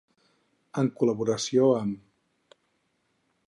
En col·laboració amb.